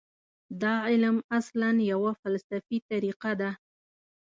دا علم اصلاً یوه فلسفي طریقه ده.